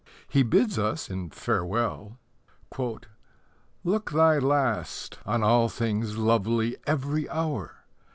He bids us in Farewell: Look thy last on all things lovely Every hour.